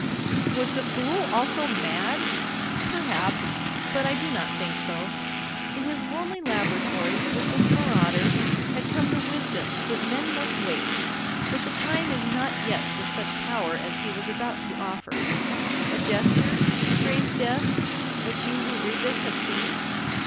Was the fool also mad? Perhaps. But I do not think so. Into his lonely laboratory, with this marauder, had come the wisdom that men must wait, that the time is not yet for such power as he was about to offer. A gesture, his strange death, which you who read this have seen?